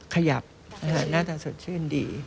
ขยับน่าจะสดชื่นดี